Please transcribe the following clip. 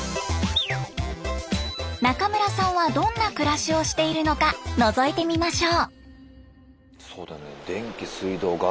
中村さんはどんな暮らしをしているのかのぞいてみましょう。